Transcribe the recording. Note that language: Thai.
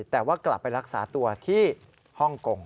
แต่ว่ากลับไปรักษาตัวที่ฮ่องกง